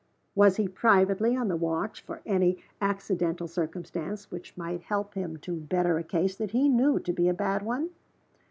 Was he privately on the watch for any accidental circumstance which might help him to better a case that he knew to be a bad one?